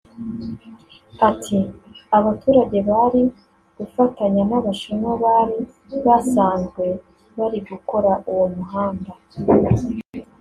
Ati “Abaturage bari gufatanya n’Abashinwa bari basanzwe bari gukora uwo muhanda